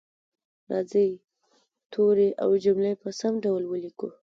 راځئ توري او جملې په سم ډول ولیکو